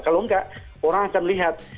kalau enggak orang akan lihat